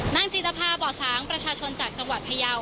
นางจีนภาพบสประชาชนจากจังหวัดพยาว